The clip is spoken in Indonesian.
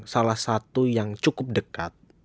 salah satu yang cukup dekat